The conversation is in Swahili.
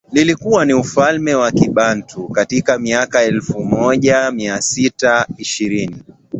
lilikuwa ufalme wa Kibantu katika miaka elfu moja Mia sits ishirini